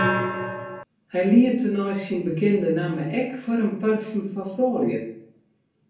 Hy lient tenei syn bekende namme ek oan in parfum foar froulju.